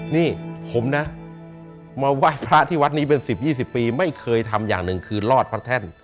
นี่ผมนะมาไหว้พระที่วัดนี้เป็น๑๐๒๐ปีไม่เคยทำอย่างหนึ่งคือรอดพระแท่น